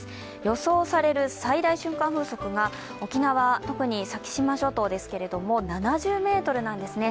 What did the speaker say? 予想される最大瞬間風速が沖縄、特に先島諸島ですが７０メートルなんですね。